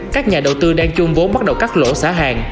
các nhà đầu tư đang chôn vốn bắt đầu cắt lỗ xả hàng